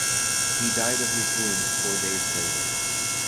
He died of his wounds four days later.